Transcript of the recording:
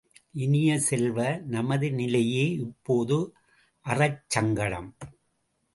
இனிய செல்வ, நமது நிலையே இப்போது அறச்சங்கடம்!